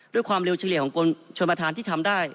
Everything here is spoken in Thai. ด้วยความเร็วเฉลี่ยของกรมชนประธานที่ทำได้